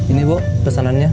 ini bu pesanannya